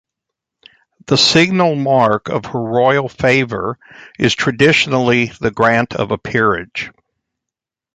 The "signal mark of Her Royal favour" is traditionally the grant of a peerage.